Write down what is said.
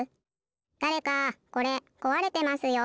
だれかこれこわれてますよ。